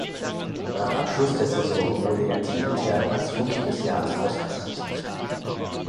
Nach Abschluss der Saison wurde er teamintern als Rookie des Jahres ausgezeichnet.